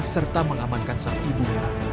serta mengamankan sang ibu